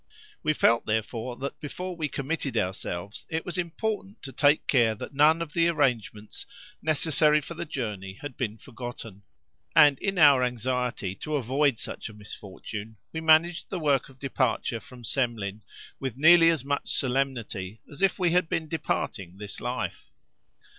We felt, therefore, that before we committed ourselves it was important to take care that none of the arrangements necessary for the journey had been forgotten; and in our anxiety to avoid such a misfortune, we managed the work of departure from Semlin with nearly as much solemnity as if we had been departing this life.